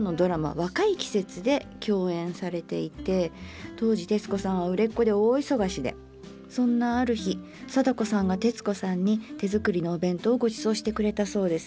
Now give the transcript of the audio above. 「若い季節」で共演されていて当時徹子さんは売れっ子で大忙しでそんなある日貞子さんが徹子さんに手作りのお弁当をごちそうしてくれたそうです。